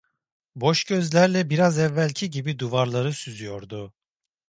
Boş gözlerle biraz evvelki gibi duvarları süzüyordu.